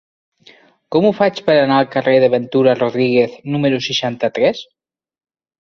Com ho faig per anar al carrer de Ventura Rodríguez número seixanta-tres?